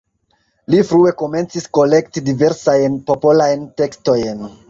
Li frue komencis kolekti diversajn popolajn tekstojn.